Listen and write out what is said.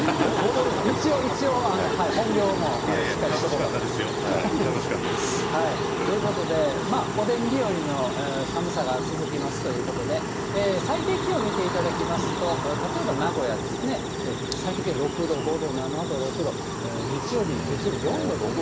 一応、一応本業もしっかりしとこうかと。ということで、おでん日和の寒さが続きますということで、最低気温見ていただきますと、例えば名古屋ですね、最低気温６度、５度、７度、６度、日曜日、月曜日４度という。